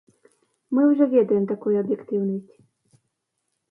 Мы ўжо ведаем такую аб'ектыўнасць.